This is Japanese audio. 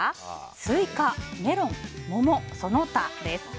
スイカ・メロン・桃・その他です。